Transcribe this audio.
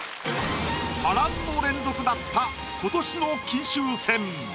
波乱の連続だった今年の金秋戦。